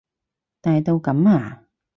大到噉啊？